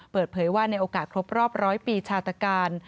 เปิดเผยว่าในโอกาสครบรอบร้อยปีชาตการ